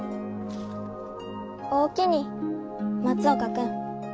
おおきに松岡君。